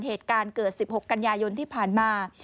เหตุการณ์เกิด๑๖กันยายนที่ผ่านมา